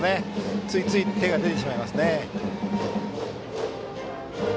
ついつい手が出てしまいますね。